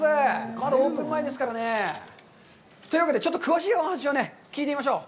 まだオープン前ですからね。というわけで、ちょっと詳しいお話を聞いてみましょう。